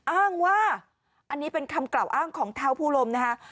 อ้างว่าอันนี้เป็นคำกล่าวอ้างของเท้าภูลมนะคะ